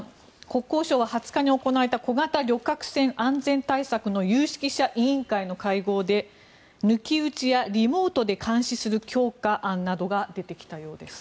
国交省は２０日に行われた小型旅客船安全対策が有識者委員会の会合で抜き打ちやリモートで監視する強化案などが出てきたようです。